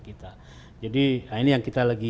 kita jadi ini yang kita lagi